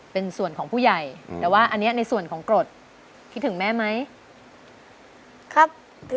เป็นแม่แท้ครับ